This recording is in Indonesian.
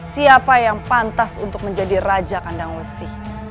siapa yang pantas untuk menjadi raja kandang besi